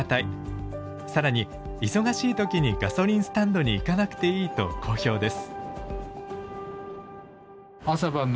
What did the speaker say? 更に忙しい時にガソリンスタンドに行かなくていいと好評です。